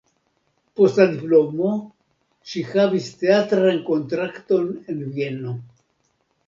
Post la diplomo ŝi havis teatran kontrakton en Vieno.